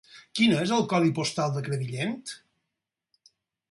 Quin és el codi postal de Crevillent?